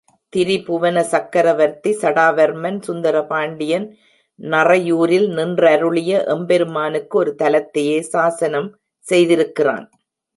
திரிபுவன சக்கரவர்த்தி சடாவர்மன் சுந்தரபாண்டியன் நறையூரில் நின்றருளிய எம்பெருமானுக்கு ஒரு தலத்தையே சாஸனம் செய்திருக்கிறான்.